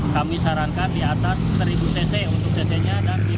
kami sarankan di atas satu cc untuk cc nya dan tidak disarankan untuk kendaraan tuban